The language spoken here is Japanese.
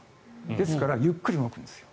ですからゆっくり動くんです。